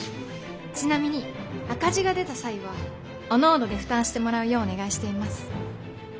ちなみに赤字が出た際はおのおので負担してもらうようお願いしています。